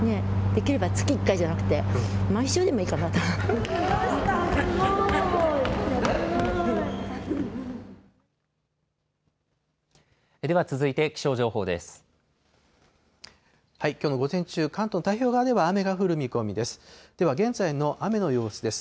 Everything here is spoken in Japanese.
きょうの午前中、関東太平洋側では雨が降る見込みです。